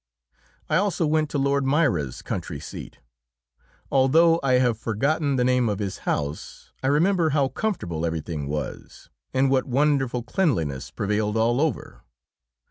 I also went to Lord Moira's country seat. Although I have forgotten the name of his house, I remember how comfortable everything was and what wonderful cleanliness prevailed all over.